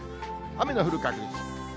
雨の降る確率。